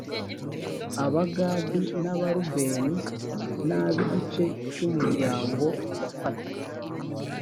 abagadi n abarubeni n ab igice cy umuryango wa pta